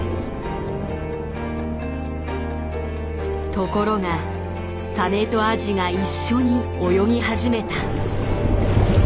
ところがサメとアジが一緒に泳ぎ始めた。